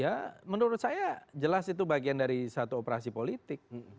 ya menurut saya jelas itu bagian dari satu operasi politik